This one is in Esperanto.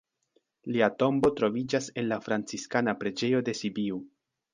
Lia tombo troviĝas en la Franciskana preĝejo de Sibiu.